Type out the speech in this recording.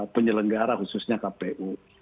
penyelenggara khususnya kpu